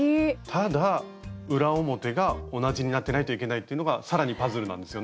ただ裏表が同じになってないといけないというのが更にパズルなんですよね。